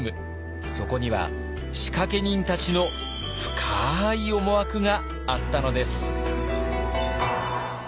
そこには仕掛け人たちの深い思惑があったのです。